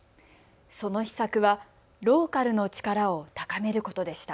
その秘策はローカルの力を高めることでした。